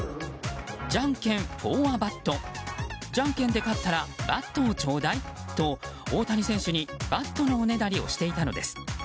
「じゃんけんＦＯＲＡＢＡＴ」じゃんけんで勝ったらバットをちょうだい！と大谷選手にバットのおねだりをしていたのです。